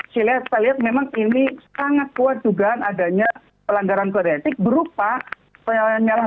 saya lihat memang ini sangat kuat jugaan adanya pelanggaran kreatif berupa penyalahgunaan mewenang